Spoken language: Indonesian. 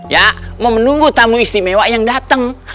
ya mau menunggu tamu istimewa yang datang